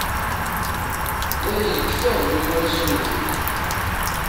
Dayen kfan imuras unebdu.